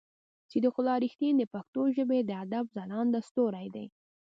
صديق الله رښتين د پښتو ژبې د ادب ځلانده ستوری دی.